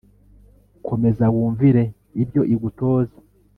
komeza wumvire ibyo igutoza